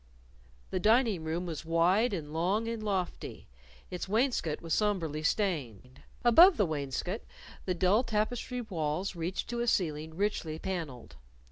The dining room was wide and long and lofty. Its wainscot was somberly stained. Above the wainscot, the dull tapestried walls reached to a ceiling richly panelled.